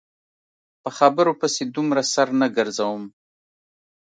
په خبرو پسې دومره سر نه ګرځوم.